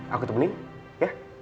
aku temenin ya